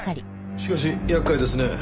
しかし厄介ですね。